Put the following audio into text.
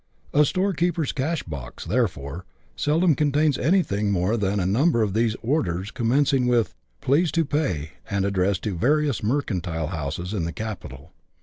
A storekeeper's cash box, therefore, seldom contains anything more than a num ber of these " orders," commencing with " Please to pay," and addressed to various mercantile houses in the capital.